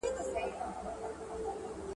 د سختۍ څوک نه مري.